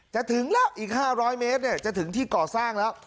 จะถึงแล้วอีกห้าร้อยเมตรเนี่ยจะถึงที่ก่อสร้างแล้ว